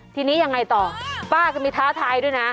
ทีนี้ยังไงต่อป้าก็มีท้าทายด้วยนะ